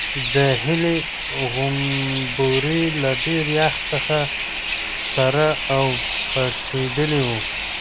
د هیلې غومبوري له ډېر یخ څخه سره او پړسېدلي وو.